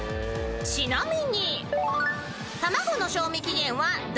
［ちなみに］